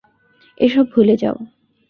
এসব ভুলে যাও।